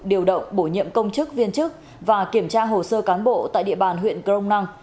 điều động bổ nhiệm công chức viên chức và kiểm tra hồ sơ cán bộ tại địa bàn huyện crong năng